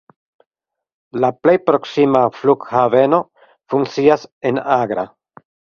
La plej proksima flughaveno funkcias en Agra.